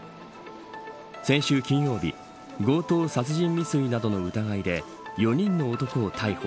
先週金曜日強盗、殺人未遂などの疑いで４人の男を逮捕。